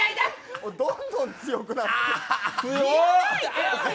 どんどん強くなってる。